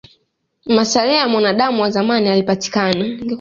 Masalia ya mwanadamu wa zamani yalipatikana